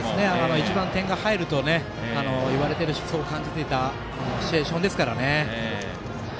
一番点が入るといわれているし、そう感じたシチュエーションですから。